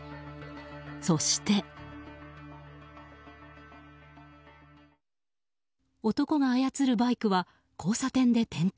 そして、男が操るバイクは交差点で転倒。